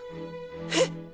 えっ！？